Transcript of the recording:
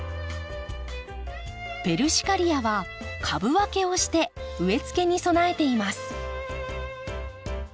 ペルシカリアは株分けをして植えつけに備えています。